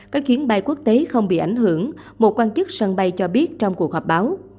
các chuyến bay quốc tế không bị ảnh hưởng một quan chức sân bay cho biết trong cuộc họp báo